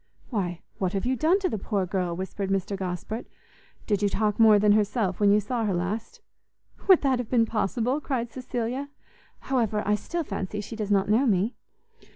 "Why, what have you done to the poor girl?" whispered Mr Gosport; "did you talk more than herself when you saw her last?" "Would that have been possible?" cried Cecilia; "however, I still fancy she does not know me."